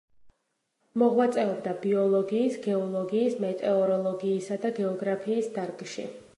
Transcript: მოღვაწეობდა ბიოლოგიის, გეოლოგიის, მეტეოროლოგიისა და გეოგრაფიის დარგში.